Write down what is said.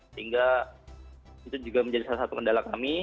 sehingga itu juga menjadi salah satu kendala kami